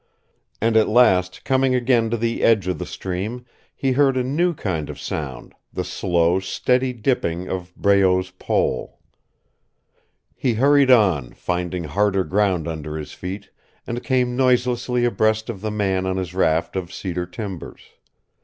And at last, coming again to the edge of the stream, he heard a new kind of sound the slow, steady dipping of Breault's pole. He hurried on, finding harder ground under his feet, and came noiselessly abreast of the man on his raft of cedar timbers.